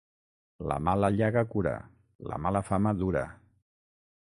La mala llaga cura, la mala fama dura.